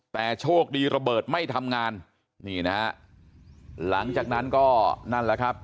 แต่โชคดีระเบิดไม่ทำงานนี่นะฮะหลังจากนั้นก็นั่นแหละครับ